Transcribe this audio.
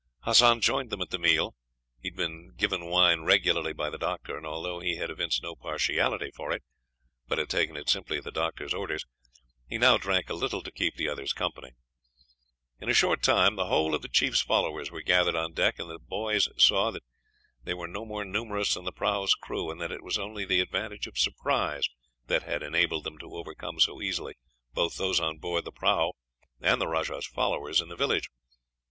Hassan joined them at the meal. He had been given wine regularly by the doctor, and although he had evinced no partiality for it, but had taken it simply at the doctor's orders, he now drank a little to keep the others company. In a short time the whole of the chief's followers were gathered on deck, and the boys saw that they were no more numerous than the prahu's crew, and that it was only the advantage of surprise that had enabled them to overcome so easily both those on board the prahu and the rajah's followers in the village.